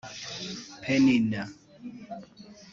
‘Penina’